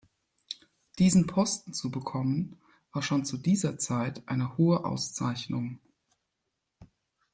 Diesen Posten zu bekommen, war schon zu dieser Zeit eine hohe Auszeichnung.